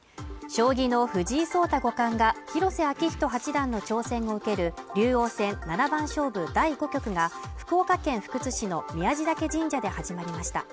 将棋の藤井聡太五冠が広瀬章人八段の挑戦を受ける竜王戦７番勝負第５局が福岡県福津市の宮地嶽神社で始まりました